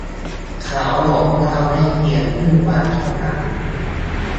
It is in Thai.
เขาอดเหล้าได้เพียงครึ่งวันเท่านั้น